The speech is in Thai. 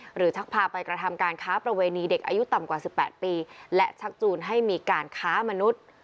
ชักพาไปกระทำการค้าประเวณีเด็กอายุต่ำกว่า๑๘ปีและชักจูนให้มีการค้ามนุษย์